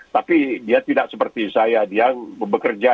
tapi dia tidak seperti saya dia bekerja